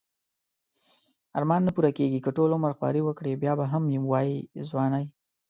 ارمان نه پوره کیږی که ټول عمر خواری وکړی بیا به هم وایی ځوانی